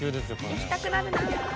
行きたくなるなぁ。